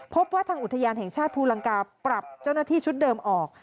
พบว่าทางอุทยานแห่งชาติภูลังกาปรับเจ้าหน้าที่ชุดเดิมออก